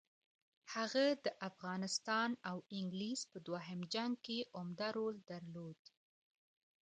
هغه د افغانستان او انګلیس په دوهم جنګ کې عمده رول درلود.